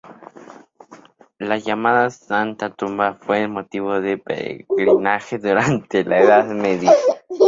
La llamada "Santa Tumba" fue motivo de peregrinaje durante la Edad Media.